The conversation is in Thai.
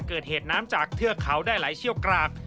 เกิดเหตุน้ำจากเทือกเขาได้ไหลเชี่ยวกราก